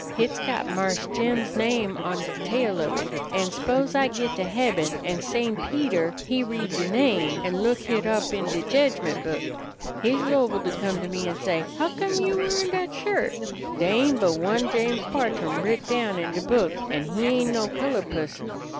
Hit's got Marse Jim's name on de tail of it, an' s'pose I git to heaben, an' St. Peter he read de name an' look hit up in de jedgment book. He's 'lowable to come to me an' say, 'Huccome you wearin' dat shirt? Dey ain't but one James Bartrum writ down in de book, an' he ain't no colored pusson.'